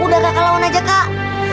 udah kakak lawan aja kak